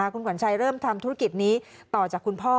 คุณขวัญชัยเริ่มทำธุรกิจนี้ต่อจากคุณพ่อ